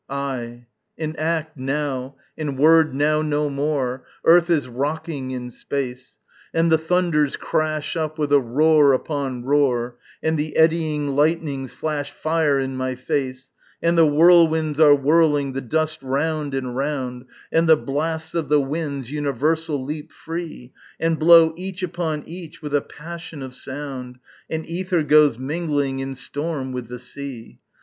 _ Ay! in act now, in word now no more, Earth is rocking in space. And the thunders crash up with a roar upon roar, And the eddying lightnings flash fire in my face, And the whirlwinds are whirling the dust round and round, And the blasts of the winds universal leap free And blow each upon each with a passion of sound, And æther goes mingling in storm with the sea.